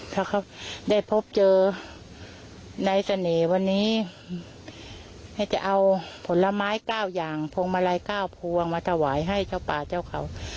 ถ้าเขาได้พบเจอในเสน่ห์วันนี้ให้จะเอาผลไม้๙อย่างพวงมาลัย๙พวงมาถวายให้เจ้าป่าเจ้าเขา